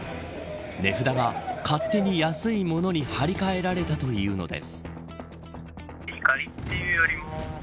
値札が勝手に安いものに張り替えられたというのです。